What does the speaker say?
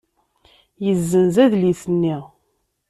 Yessenz adlis-nni.